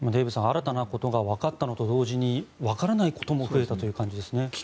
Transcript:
新たなことがわかったのと同時にわからないことも増えたという感じですね。